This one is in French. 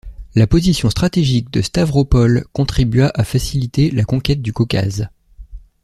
La position stratégique de Stavropol contribua à faciliter la conquête du Caucase.